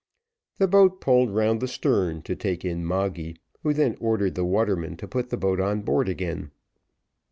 The boat pulled round the stern to take in Moggy, who then ordered the waterman to put the dog on board again.